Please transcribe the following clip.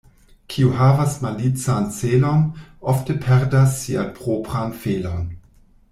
Kiu havas malican celon, ofte perdas sian propran felon.